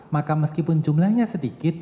maka meskipun jumlahnya sedikit